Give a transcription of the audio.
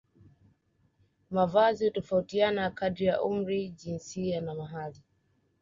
Mavazi hutofautiana kadiri ya umri jinsia na mahali